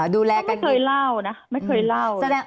ดูแลกันดีพี่เขาไม่เคยเล่านะไม่เคยเล่า